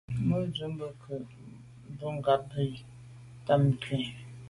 Ndù me ke jun mbumngab yi t’a kum nkù.